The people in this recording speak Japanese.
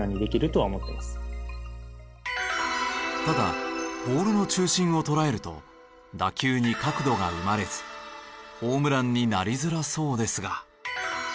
ただボールの中心を捉えると打球に角度が生まれずホームランになりづらそうですが。